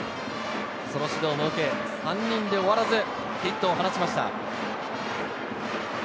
その指導も受け、３人で終わらずヒットを放ちました。